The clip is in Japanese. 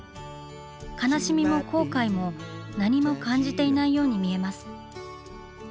悲しみも後悔も何も感じていないように見えます。